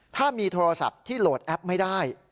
ถ้ามีโทรศัพท์ที่โหลดแอปไม่ได้